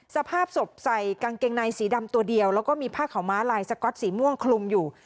สภาพศพใส่กางเกงในสีดำตัวเดียวแล้วก็มีผ้าขาวม้าลายสก๊อตสีม่วงคลุมอยู่